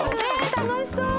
楽しそう。